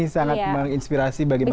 sangat menginspirasi bagaimana